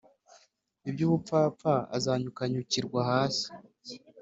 iby ubupfapfa azanyukanyukirwa hasi